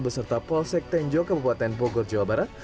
beserta polsek tenjo kabupaten bogor jawa barat